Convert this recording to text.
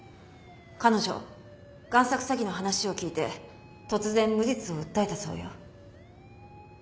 彼女贋作詐欺の話を聞いて突然無実を訴えたそうよ。